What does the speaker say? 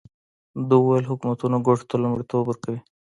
ده وویل حکومتونه ګټو ته لومړیتوب ورکوي.